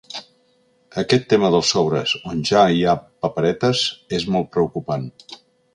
Aquest tema dels sobres on ja hi ha paperetes és molt preocupant.